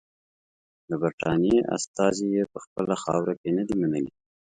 د برټانیې استازي یې په خپله خاوره کې نه دي منلي.